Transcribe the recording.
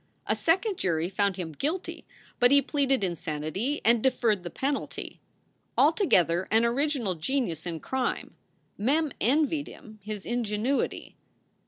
A second jury found him guilty, but he pleaded insanity and deferred the penalty. Altogether an original genius in crime. Mem envied him his ingenuity.